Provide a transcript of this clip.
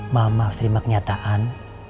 mama harus terima kenyataan